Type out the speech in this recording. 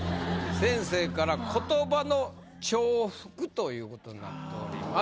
先生から「言葉の重複！」ということになっております。